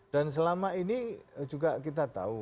dan selama ini juga kita tahu